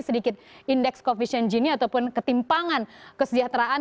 sedikit indeks koefisien gini ataupun ketimpangan kesejahteraan